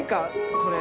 これ。